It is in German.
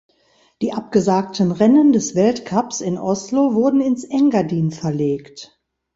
Die abgesagten Rennen des Weltcups in Oslo wurden ins Engadin verlegt.